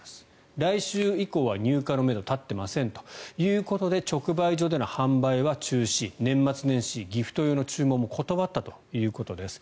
来週以降は入荷のめど、立っていませんということで直売所での販売は中止年末年始、ギフト用の注文も断ったということです。